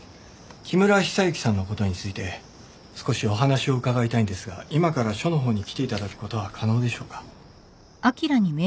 木村久之さんのことについて少しお話を伺いたいんですが今から署の方に来ていただくことは可能でしょうか？